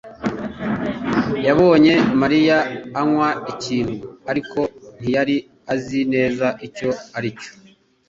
yabonye Mariya anywa ikintu, ariko ntiyari azi neza icyo aricyo.